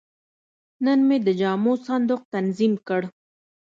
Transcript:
نن مې د جامو صندوق تنظیم کړ.